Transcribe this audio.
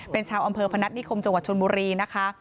เป็นชาวอำเภอพนัฐนิคมจังหวัดชนบุรีนะคะ